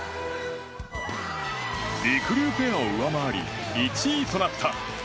りくりゅうペアを上回り１位となった。